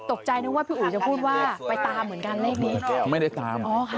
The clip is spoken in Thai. นึกว่าพี่อุ๋ยจะพูดว่าไปตามเหมือนกันเลขนี้ไม่ได้ตาม